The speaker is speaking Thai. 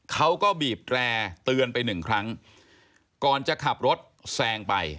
เขาก็บีบแตร่เตือนไปหนึ่งครั้งก่อนจะขับรถแซงไป